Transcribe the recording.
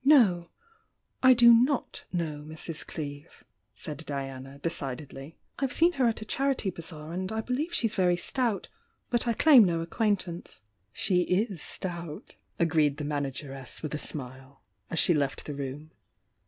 "No — I do not know Mrs. Cleeve," said Diana, decidedly — "I've seen her at a charity bazaar and I believe she's very stout — but I claim no acquain tance." "She is stout," agreed the manageress with a smile, as she left the room.